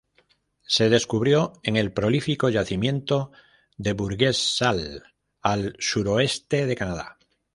Se descubrió en el prolífico yacimiento de Burgess Shale, al suroeste de Canadá.